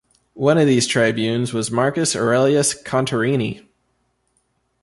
One of these Tribunes was Marcus Aurelius Contarini.